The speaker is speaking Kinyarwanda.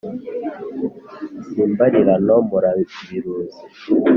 Si imbarirano murabiruzi